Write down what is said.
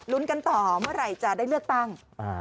กันต่อเมื่อไหร่จะได้เลือกตั้ง